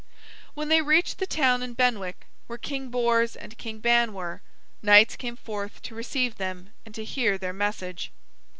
When they reached the town in Benwick where King Bors and King Ban were, knights came forth to receive them and to hear their message.